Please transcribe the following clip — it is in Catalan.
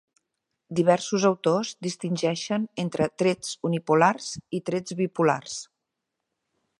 Diversos autors distingeixen entre trets unipolars i trets bipolars.